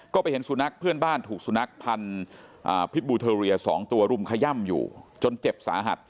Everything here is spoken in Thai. ก็ไปเห็นสุนัขเพื่อนบ้านถูกสุนัขพันธุ์พิษบูเทอเรีย๒ตัวรุมขย่ำอยู่จนเจ็บสาหัส